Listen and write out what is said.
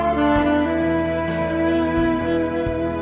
trái tim mình